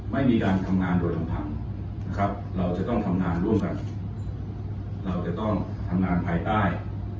ไม่มีการทำงานโดยลำพังนะครับเราจะต้องทำงานร่วมกันเราจะต้องทำงานภายใต้